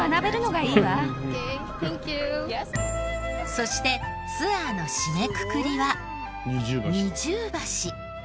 そしてツアーの締めくくりは二重橋。